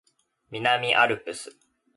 南アルプス